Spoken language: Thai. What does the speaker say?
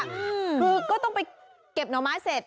คือก็ต้องไปเก็บหน่อไม้เสร็จ